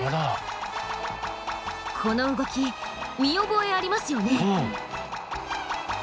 この動き見覚えありますよね？